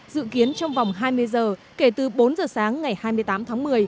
dự kiến trong vòng hai mươi giờ kể từ bốn giờ sáng ngày hai mươi tám tháng một mươi